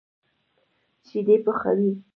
شيدې پخوي.